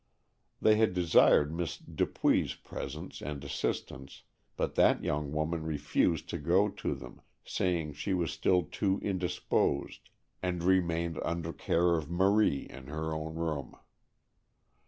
They had desired Miss Dupuy's presence and assistance, but that young woman refused to go to them, saying she was still too indisposed, and remained, under care of Marie, in her own room.